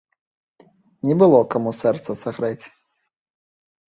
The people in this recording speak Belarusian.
Не было каму сэрца сагрэць.